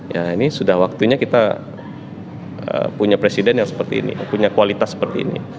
ya ini sudah waktunya kita punya presiden yang seperti ini punya kualitas seperti ini